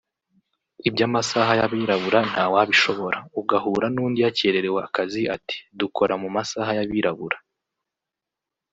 ”iby’amasaha y’abirabura ntawabishobora” ;Ugahura n’undi yakererewe akazi ati”dukora mu masaha y’abirabura”